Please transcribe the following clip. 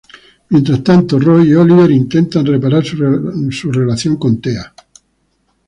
Mientras tanto, Roy y Oliver intentan reparar su relación con Thea.